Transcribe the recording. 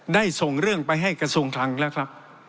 ส่งเรื่องไปให้กระทรวงคลังแล้วครับ